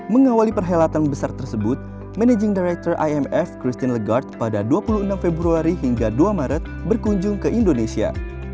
mengawali perhelatan besar tersebut managing director imf christine lagarde pada dua puluh enam februari hingga dua maret berkunjung ke indonesia